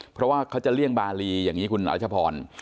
เพราะว่าเขาจะเลี่ยงบารีอย่างนี้คุณรัชพร